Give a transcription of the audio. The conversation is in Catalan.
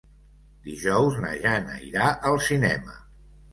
Dijous na Jana irà al cinema.